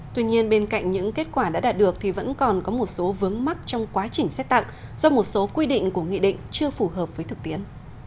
tuy nhiên bên cạnh những kết quả đã đạt được thì vẫn còn có một số vướng mắt trong quá trình xét tặng do một số quy định của nghị định chưa phù hợp với thực tiễn